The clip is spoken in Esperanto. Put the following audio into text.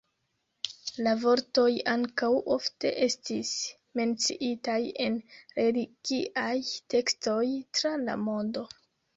La vortoj ankaŭ ofte estis menciitaj en religiaj tekstoj tra la mondo.